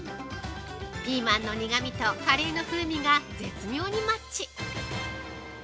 ピーマンの苦味とカレーの風味が絶妙にマッチ。